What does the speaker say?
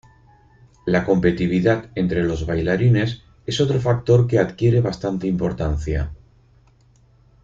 La competitividad entre los bailarines es otro factor que adquiere bastante importancia.